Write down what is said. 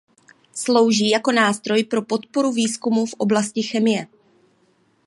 Slouží jako nástroj pro podporu výzkumu v oblasti chemie.